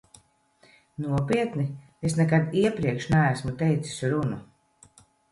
Nopietni, es nekad iepriekš neesmu teicis runu.